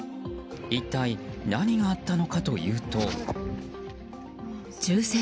一体、何があったのかというと。